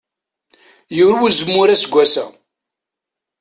Yurew uzemmur aseggas-a.